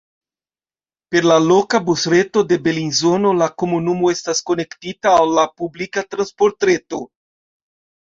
Per la loka busreto de Belinzono la komunumo estas konektita al la publika transportreto.